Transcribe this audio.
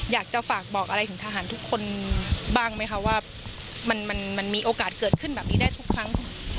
อยากจะฝากบอกอะไรถึงทหารทุกคนบ้างไหมคะว่ามันมีโอกาสเกิดขึ้นแบบนี้ได้ทุกครั้ง